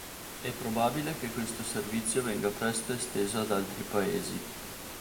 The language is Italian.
È probabile che questo servizio venga presto esteso ad altri paesi.